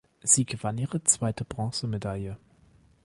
Sie gewann ihre zweite Bronzemedaille.